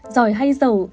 giỏi hay giàu